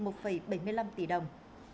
một bảy mươi năm tỷ đồng